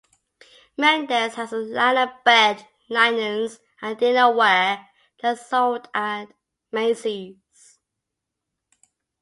Mendes has a line of bed linens and dinnerware that is sold at Macy's.